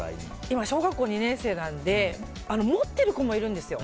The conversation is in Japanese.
今、小学校２年生なので持ってる子もいるんですよ。